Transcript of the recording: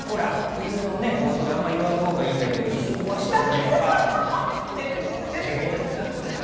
昼の放送であんまり言わないほうがいいんだけど、椅子壊した時も上手だったよね。